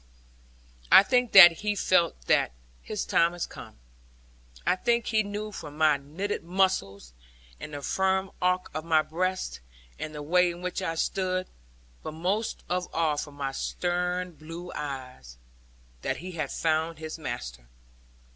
I think that he felt that his time was come. I think he knew from my knitted muscles, and the firm arch of my breast, and the way in which I stood; but most of all from my stern blue eyes; that he had found his master.